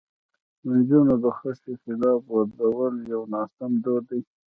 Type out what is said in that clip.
د نجونو د خوښې خلاف ودول یو ناسم دود دی.